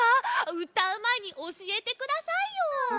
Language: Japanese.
うたうまえにおしえてくださいよ！